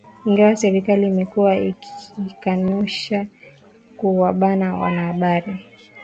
ingawa serikali imekuwa ikikanusha kuwabana wanahabari